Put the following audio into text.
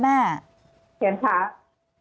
อันดับที่สุดท้าย